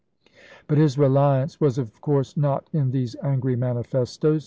But his reliance was, of course, not in these angry manifestoes.